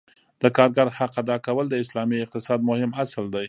د کارګر حق ادا کول د اسلامي اقتصاد مهم اصل دی.